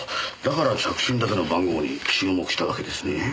だから着信だけの番号に注目したわけですね。